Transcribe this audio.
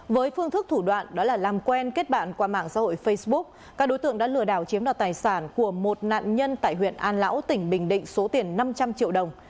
với phương thức thủ đoạn đó là làm quen kết bạn qua mạng xã hội facebook các đối tượng đã lừa đảo chiếm đoạt tài sản của một nạn nhân tại huyện an lão tỉnh bình định số tiền năm trăm linh triệu đồng